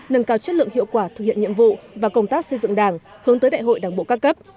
nâng cao chất lượng hiệu quả thực hiện nhiệm vụ và công tác xây dựng đảng hướng tới đại hội đảng bộ các cấp